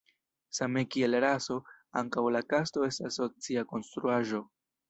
Same kiel raso, ankaŭ la kasto estas socia konstruaĵo.